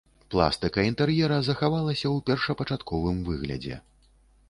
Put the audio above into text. Пластыка інтэр'ера захавалася ў першапачатковым выглядзе.